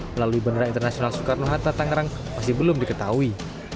melalui bandara internasional soekarno hatta tangerang masih belum diketahui